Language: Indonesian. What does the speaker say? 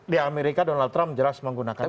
di amerika donald trump jelas menggunakan itu